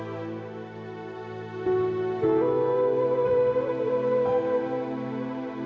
katharine berasa terburu buru dengan saya